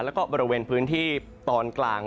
แล้วก็บริเวณพื้นที่ตอนกลาง